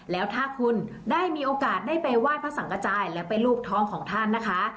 แล้วถ้าคุณได้มีโอกาสได้ไปไหว้พระสังกระจายและไปรูปท้องของท่านนะคะ